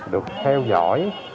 được theo dõi